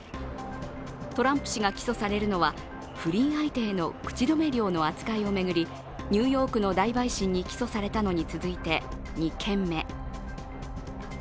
トランプ氏が起訴されるのは不倫相手への口止め料の扱いを巡りニューヨークの大陪審に起訴されたのに続いて、２件目。